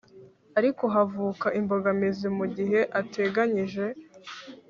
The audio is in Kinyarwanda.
ariko havuka imbogamizi mu gihe ateganyije